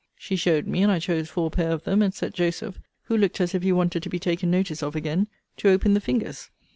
She showed me; and I chose four pair of them, and set Joseph, who looked as if he wanted to be taken notice of again, to open the fingers.